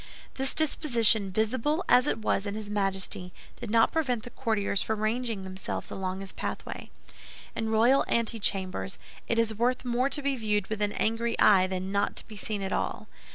This disposition, visible as it was in his Majesty, did not prevent the courtiers from ranging themselves along his pathway. In royal antechambers it is worth more to be viewed with an angry eye than not to be seen at all.